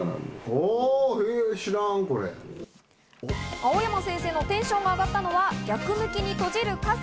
青山先生のテンションが上がったのは逆向きに閉じる傘。